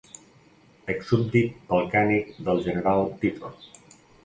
Ex súbdit balcànic del general Tito.